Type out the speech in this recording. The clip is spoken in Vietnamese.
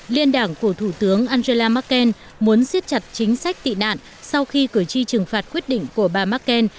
liên đảng của thủ tướng angela merkel muốn siết chặt chính sách tị nạn sau khi cử tri trừng phạt quyết định của bà merkel